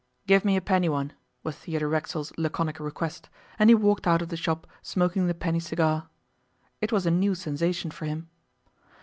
'Give me a penny one,' was Theodore Racksole's laconic request, and he walked out of the shop smoking the penny cigar. It was a new sensation for him.